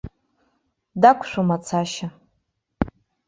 Дақәшәом ацашьа.